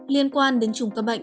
liên quan đến trùng ca bệnh